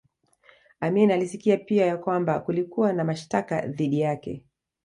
Amin alisikia pia ya kwamba kulikuwa na mashtaka dhidi yake